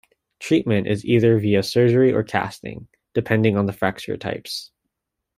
Treatment is either via surgery or casting depending on the fracture types.